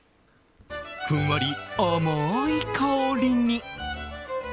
ふんわり甘い香りに。